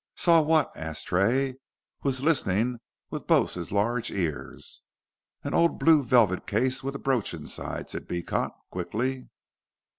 "Saw what?" asked Tray, who was listening with both his large ears. "An old blue velvet case with a brooch inside," said Beecot, quickly.